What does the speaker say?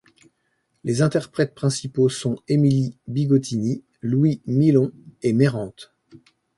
Les interprètes principaux sont Émilie Bigottini, Louis Milon et Mérante.